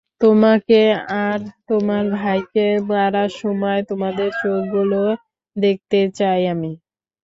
তোমাকে আর তোমার ভাইকে মারার সময় তোমাদের চোখগুলো দেখতে চাই আমি।